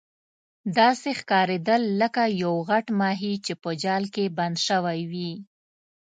داسې ښکاریدل لکه یو غټ ماهي چې په جال کې بند شوی وي.